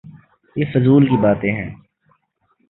یہ فضول کی باتیں ہیں۔